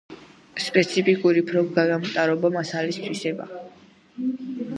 სპეციფიკური თბოგამტარობა მასალის თვისებაა.